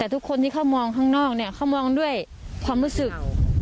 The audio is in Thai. แต่ทุกคนที่เขามองข้างนอกเนี่ยเขามองด้วยความรู้สึก